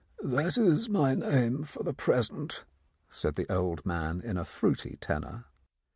"That is my name for the present," said the old man in a fruity tenor.